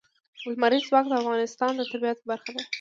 لمریز ځواک د افغانستان د طبیعت برخه ده.